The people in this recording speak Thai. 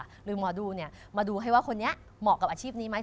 หรือหมอดูมาดูให้ว่าคนนี้เหมาะกับอาชีพนี้ไหม